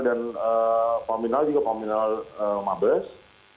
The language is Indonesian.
dan peminal juga peminal mabes